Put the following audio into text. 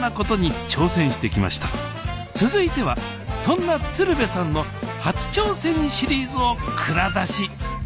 続いてはそんな鶴瓶さんの初挑戦シリーズを蔵出し。